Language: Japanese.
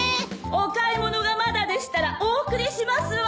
お買い物がまだでしたらお送りしますわ！